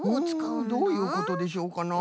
うんどういうことでしょうかな？